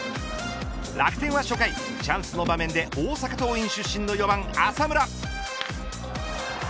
楽天は初回チャンスの場面で大阪桐蔭出身の４番、浅村。